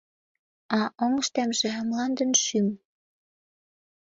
А оҥыштемже — мландын шӱм.